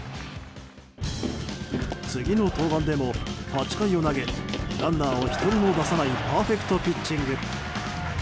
次の登板でも８回を投げランナーを１人も出さないパーフェクトピッチング。